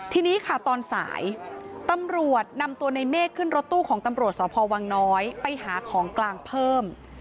ทีนี้ค่ะตอนสายตำรวจนำตัวในเมฆขึ้นรถตู้ของตำรวจสพวังน้อยไปหาของกลางเพิ่ม